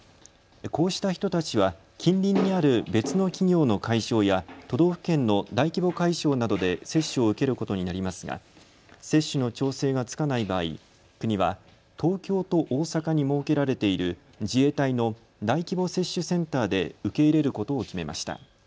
こうした人たちは近隣にある別の企業の会場や都道府県の大規模会場などで接種を受けることになりますが接種の調整がつかない場合、国は東京と大阪に設けられている自衛隊の大規模接種センターで受け入れることを決めました。